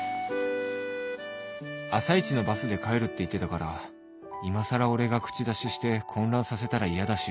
朝一のバスで帰るって言ってたからいまさら俺が口出しして混乱させたら嫌だし